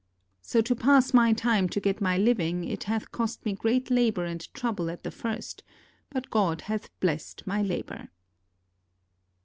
So to pass my time to get my living, it hath cost me great labor and trouble at the first; but God hath blessed my labor.